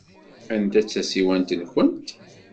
Anta ay d tasiwant-nwent?